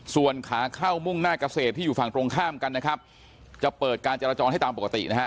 ส่วนขาเข้ามุ่งหน้าเกษตรที่อยู่ฝั่งตรงข้ามกันนะครับจะเปิดการจราจรให้ตามปกตินะฮะ